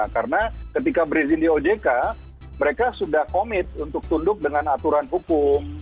karena ketika berizin di ojk mereka sudah commit untuk tunduk dengan aturan hukum